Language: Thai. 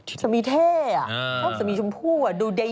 สามีเท่อ่ะสามีชมพูอ่ะดูได้